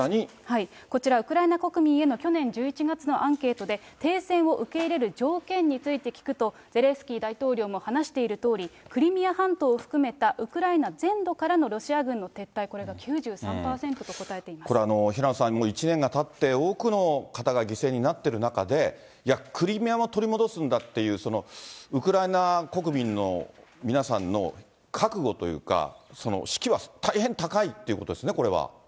こちら、ウクライナ国民への去年１１月のアンケートで、停戦を受け入れる条件について聞くと、ゼレンスキー大統領も話しているとおり、クリミア半島を含めたウクライナ全土からのロシア軍の撤退、これが９３％と答えていまこれ、平野さん、１年がたって多くの方が犠牲になってる中で、いや、クリミアも取り戻すんだという、そのウクライナ国民の皆さんの覚悟というか、その士気は大変高いということですね、これは。